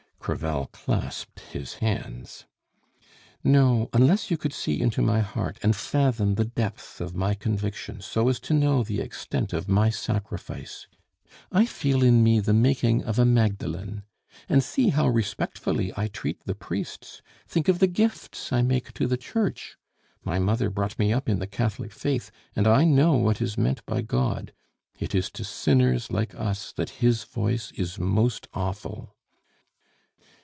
Crevel clasped his hands. "No, unless you could see into my heart, and fathom the depth of my conviction so as to know the extent of my sacrifice! I feel in me the making of a Magdalen. And see how respectfully I treat the priests; think of the gifts I make to the Church! My mother brought me up in the Catholic Faith, and I know what is meant by God! It is to sinners like us that His voice is most awful."